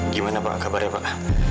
gimana pak kabarnya pak